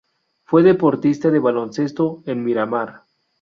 Fue deportista de baloncesto en Miramar.